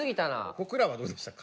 僕らはどうでしたか？